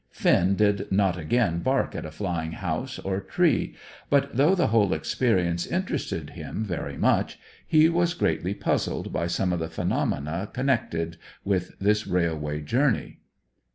Finn did not again bark at a flying house or tree; but, though the whole experience interested him very much, he was greatly puzzled by some of the phenomena connected with this railway journey.